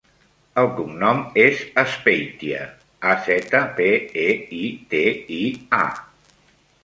El cognom és Azpeitia: a, zeta, pe, e, i, te, i, a.